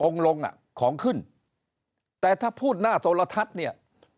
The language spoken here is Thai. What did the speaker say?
ลงอ่ะของขึ้นแต่ถ้าพูดหน้าโทรทัศน์เนี่ย